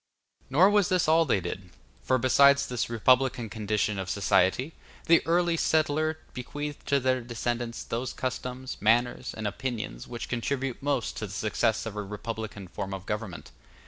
Nor was this all they did; for besides this republican condition of society, the early settler bequeathed to their descendants those customs, manners, and opinions which contribute most to the success of a republican form of government.